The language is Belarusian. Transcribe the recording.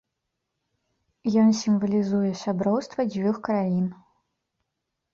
Ён сімвалізуе сяброўства дзвюх краін.